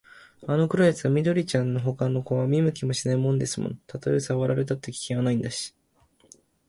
あの黒いやつは緑ちゃんのほかの子は見向きもしないんですもの。たとえさらわれたって、危険はないんだし、